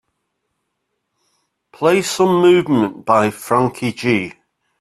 play some movement by Franky Gee